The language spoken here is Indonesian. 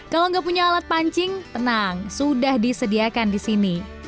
kalau nggak punya alat pancing tenang sudah disediakan di sini